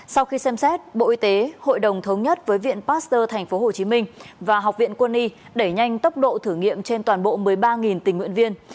sau khi xem xét bộ y tế hội đồng thống nhất với viện pasteur tp hcm và học viện quân y đẩy nhanh tốc độ thử nghiệm trên toàn bộ một mươi ba tình nguyện viên